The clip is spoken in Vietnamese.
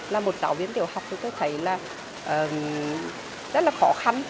là một giáo viên tiểu học thì tôi thấy là rất là khó khăn